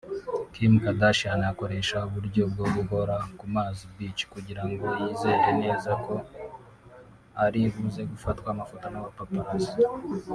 Kim Kardashian akoresha uburyo bwoguhora kumazi(beach) kugirango yizereneza ko aribuze gufatwa amafoto n’abapaparazi